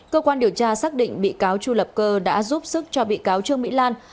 cơ quan điều tra xác định bị cáo chu lập cơ đã giúp sức cho bị cáo trương mỹ lan